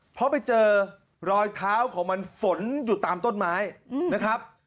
เพราะไปเจอรอยเท้าของมันฝนอยู่ตามต้นไม้นะครับ